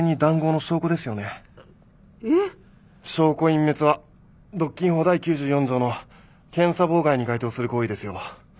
証拠隠滅は独禁法第９４条の検査妨害に該当する行為ですよ。